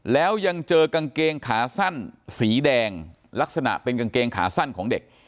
แล้วยังเจอกางเกงขาสั้นสีแดงลักษณะเป็นกางเกงขาสั้นของเด็ก